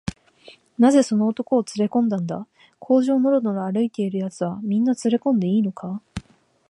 「なぜその男をつれこんだんだ？小路をのろのろ歩いているやつは、みんなつれこんでいいのか？」